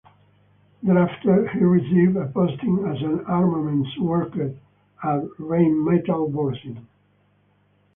Thereafter, he received a posting as an armaments worker at Rheinmetall-Borsig.